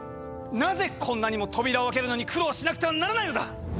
なぜこんなにも扉を開けるのに苦労しなくてはならないのだ！